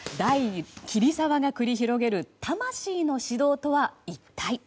桐沢が繰り広げる魂の指導とは、一体。